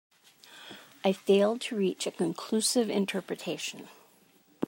I failed to reach a conclusive interpretation.